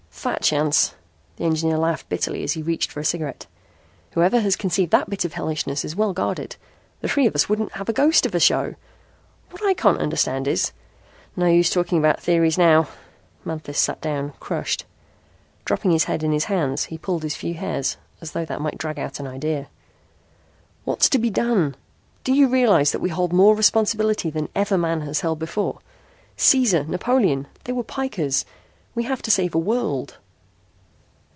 "Fat chance!" The engineer laughed bitterly as he reached for a cigarette. "Whoever has conceived that bit of hellishness is well guarded. The three of us wouldn't have a ghost of a show. What I can't understand is " "No use talking about theories now." Manthis sat down, crushed. Dropping his head in his bands, he pulled his few hairs as though that might drag out an idea. "What's to be done? Do you realise that we hold more responsibility than ever man has held before? Caesar! Napoleon! They were pikers. We have to save a world."